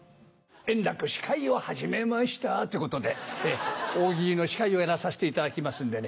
「円楽司会を始めました」ってことで「大喜利」の司会をやらさせていただきますんでね。